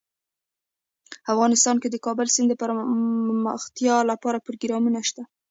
افغانستان کې د کابل سیند دپرمختیا لپاره پروګرامونه شته.